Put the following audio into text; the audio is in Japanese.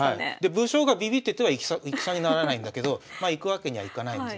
武将がビビってては戦にならないんだけどいくわけにはいかないんです。